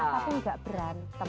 tapi ga berantem